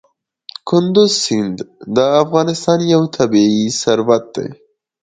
کندز سیند د افغانستان یو طبعي ثروت دی.